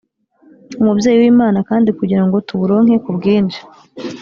umubyeyi w’imana kandi kugira ngo tuburonke ku bwinshi